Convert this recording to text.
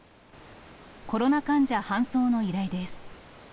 コロナ患者搬送の依頼です。